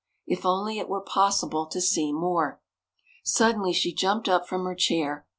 If only it were possible to see more. Suddenly she jumped up from her chair.